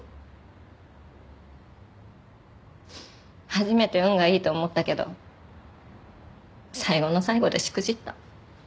初めて運がいいと思ったけど最後の最後でしくじった。